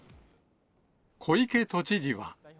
小池都知事は。